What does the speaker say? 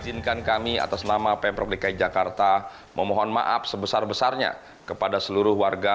izinkan kami atas nama pemprov dki jakarta memohon maaf sebesar besarnya kepada seluruh warga